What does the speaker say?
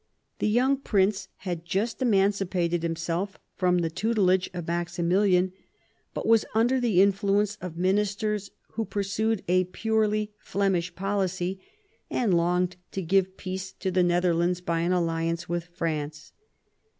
The young prince had just emancipated himself from the tutelage of Maximilian, but was under the influence of ministers who pursued a purely Flemish policy, and longed to give peace to the Netherlands by an alliance with France.